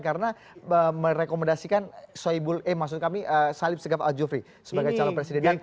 karena merekomendasikan salim segafal jufri sebagai calon presiden